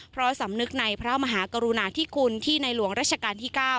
เพราะสำนึกในพระมหากรุณาธิคุณที่ในหลวงราชการที่๙